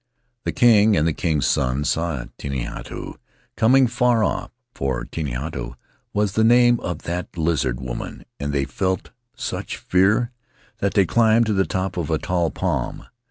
'The king and the king's son saw Tehinatu coming far off — for Tehinatu was the name of that Lizard Woman — and they felt such fear that they climbed to the top of a tall palm.